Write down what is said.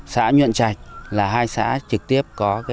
xã nhuận trạch là hai xã trực tiếp